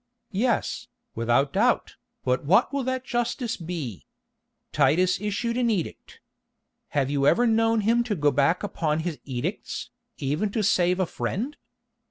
"Yes, without doubt, but what will that justice be? Titus issued an edict. Have you ever known him to go back upon his edicts, even to save a friend?